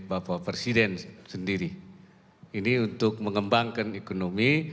bapak presiden sendiri ini untuk mengembangkan ekonomi